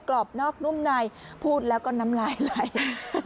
รอบนอกนุ่มในพูดแล้วก็น้ำลายไหล